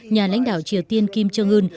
nhà lãnh đạo triều tiên kim trương ưn